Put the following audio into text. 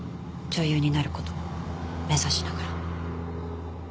女優になる事を目指しながら。